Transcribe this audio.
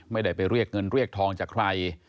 ไม่ได้ไปเรียกเงินเรียกทองจากใคร